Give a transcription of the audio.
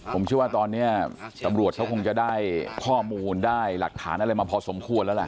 ผมเชื่อว่าตอนนี้ตำรวจเขาคงจะได้ข้อมูลได้หลักฐานอะไรมาพอสมควรแล้วล่ะ